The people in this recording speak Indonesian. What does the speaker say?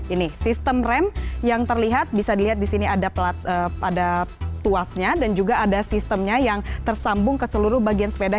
ini sistem rem yang terlihat bisa dilihat di sini ada tuasnya dan juga ada sistemnya yang tersambung ke seluruh bagian sepeda